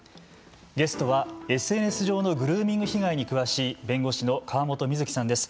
ゲストは、ＳＮＳ上のグルーミング被害に詳しい弁護士の川本瑞紀さんです。